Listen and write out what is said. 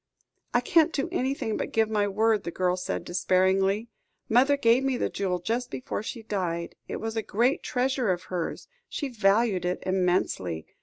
"I can't do anything but give my word," the girl said despairingly. "Mother gave me the jewel just before she died. It was a great treasure of hers; she valued it immensely.